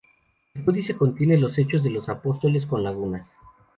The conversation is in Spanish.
El codice contiene los Hechos de los Apóstoles con lagunas.